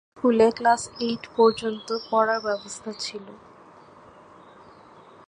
সেই স্কুলে class eight পর্যন্ত পড়ার ব্যবস্থা ছিলো।